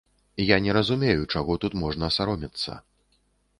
Я не разумею, чаго тут можна саромецца.